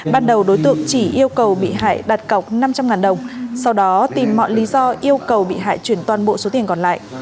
ban đầu đối tượng chỉ yêu cầu bị hại đặt cọc năm trăm linh đồng sau đó tìm mọi lý do yêu cầu bị hại chuyển toàn bộ số tiền còn lại